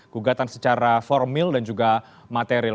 gugatan secara formil dan juga material